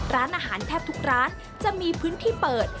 ร้านอาหารแทบทุกร้านจะมีพื้นที่เปิด